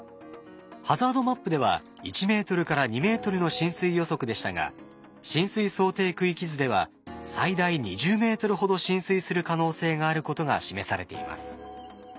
ハザードマップでは１ｍ２ｍの浸水予測でしたが浸水想定区域図では最大２０ｍほど浸水する可能性があることが示されています。